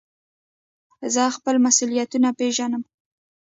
زه خپل مسئولیتونه پېژنم.